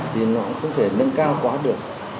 thì nó cũng không thể nâng cao quá được